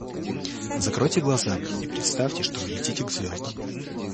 Закройте глаза и представьте, что вы летите к звездам.